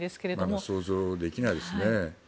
まだ想像できないですね。